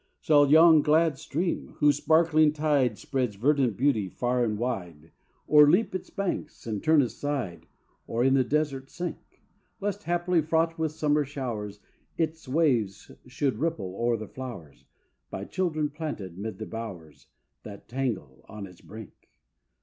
Shall yon glad stream, whose sparkling tide Spreads verdant beauty far and wide, O'erleap its banks and turn aside, Or in the desert sink; Lest, haply, fraught with summer showers, Its waves should ripple o'er the flowers By children planted 'mid the bowers That tangle on its brink?